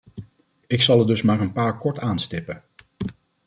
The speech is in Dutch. Ik zal er dus maar een paar kort aanstippen.